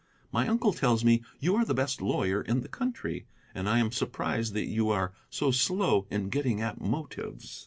My uncle tells me you are the best lawyer in the country, and I am surprised that you are so slow in getting at motives."